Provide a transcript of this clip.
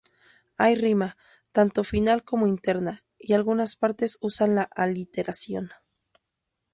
Hay rima, tanto final como interna, y algunas partes usan la aliteración.